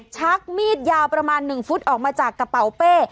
ชักมีดยาวประมาณ๑ฟุตออกมาจากกระเป๋าเป้